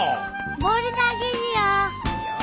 ボール投げるよ。